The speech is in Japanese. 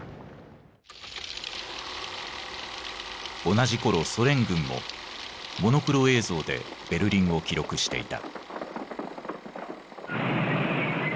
同じころソ連軍もモノクロ映像でベルリンを記録していた。